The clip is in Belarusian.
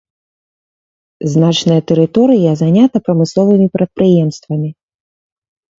Значная тэрыторыя занята прамысловымі прадпрыемствамі.